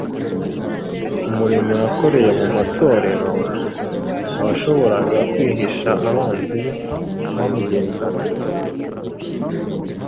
umurimo yakoreye mu matorero ntiwashoboraga kwihisha abanzi be bamugenzaga.